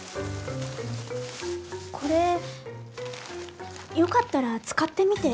これよかったら使ってみて。